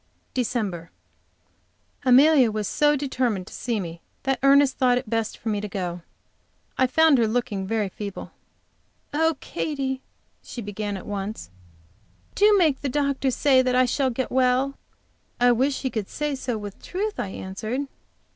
DECEMBER. Amelia was so determined to see me that Ernest thought it best for me to go. I found her looking very feeble. "Oh, Katy," she began at once, "do make the doctor say that I shall get well!" "I wish he could say so with truth," I answered.